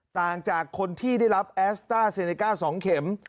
ต่างจากคนที่ได้รับแอสต้าเซเนก้า๒เข็ม